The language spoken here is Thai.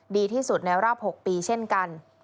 ดีที่สุดในรอบ๖ปีเช่นกัน